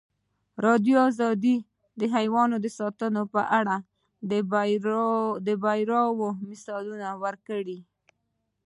ازادي راډیو د حیوان ساتنه په اړه د بریاوو مثالونه ورکړي.